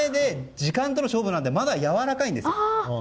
時間との勝負なのでまだやわらかいんです。